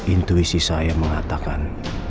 intuisi saya mengatakan